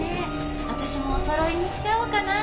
私もおそろいにしちゃおうかな。